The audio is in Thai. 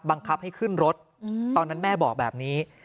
บังคับให้ขึ้นรถตอนนั้นแม่บอกแบบนี้